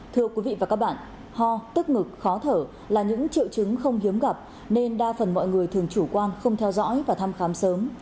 thưa quý vị và các bạn ho tức ngực khó thở là những triệu chứng không hiếm gặp nên đa phần mọi người thường chủ quan không theo dõi và thăm khám sớm